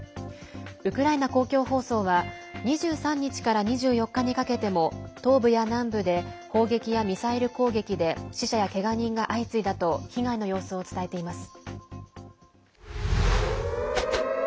ウクライナ公共放送は２３日から２４日にかけても東部や南部で砲撃やミサイル攻撃で死者やけが人が相次いだと被害の様子を伝えています。